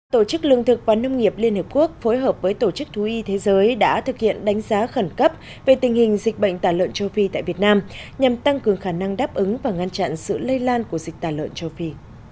tổ chức lương thực và nông nghiệp liên hiệp quốc phối hợp với tổ chức thú y thế giới đã thực hiện đánh giá khẩn cấp về tình hình dịch bệnh tả lợn châu phi tại việt nam nhằm tăng cường khả năng đáp ứng và ngăn chặn sự lây lan của dịch tả lợn châu phi